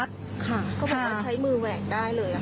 เขาบอกว่าใช้มือแหวกได้เลย